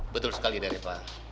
betul sekali dari pak